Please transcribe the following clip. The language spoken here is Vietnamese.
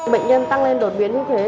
bệnh nhân tăng lên đột biến như thế